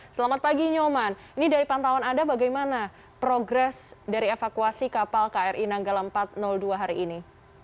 selamat pagi nyoman ini dari pantauan anda bagaimana progres dari evakuasi kapal kri nanggala empat ratus dua hari ini